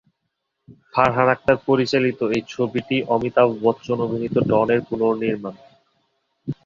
ফারহান আখতার পরিচালিত এই ছবিটি অমিতাভ বচ্চন অভিনীত "ডন" এর পুনর্নির্মাণ।